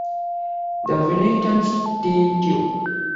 The Wellington Steel Tube.